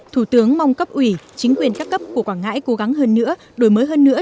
thủ tướng mong cấp ủy chính quyền các cấp của quảng ngãi cố gắng hơn nữa đổi mới hơn nữa